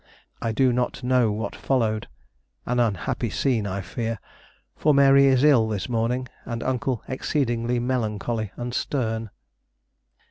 I do not know what followed. An unhappy scene, I fear, for Mary is ill this morning, and Uncle exceedingly melancholy and stern.